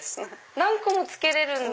何個も着けれるんだ！